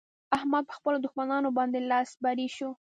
احمد په خپلو دښمانانو باندې لاس بری شو.